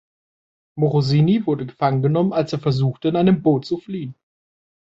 Morosini wurde gefangen genommen, als er versuchte, in einem Boot zu fliehen.